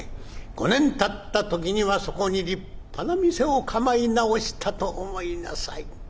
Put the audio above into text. ５年経った時にはそこに立派な店を構え直したと思いなさい」。